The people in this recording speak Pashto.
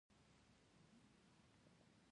اوښ د افغان ماشومانو د لوبو یوه موضوع ده.